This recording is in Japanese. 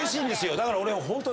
だから俺は。